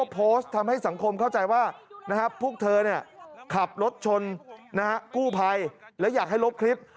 พวกเธอขับรถชนกู้ไพแล้วอยากให้ลบคลิป